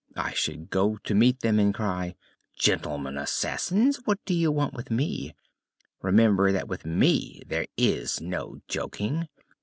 I should go to meet them and cry: 'Gentlemen assassins, what do you want with me? Remember that with me there is no joking.